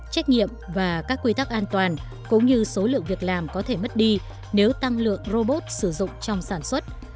trách nhiệm và các quy tắc an toàn cũng như số lượng việc làm có thể mất đi nếu tăng lượng robot sử dụng trong sản xuất